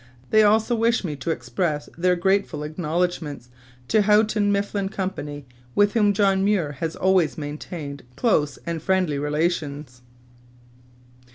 They also wish me to express their grateful acknowledgments to Houghton Mifflin Company, with whom John Muir has always maintained close and friendly relations.